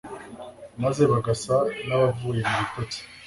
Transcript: maze bagasa n'abavuye mu bitotsi.